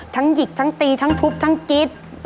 ทั้งหยิกทั้งตีทั้งทุบทั้งกิ๊ด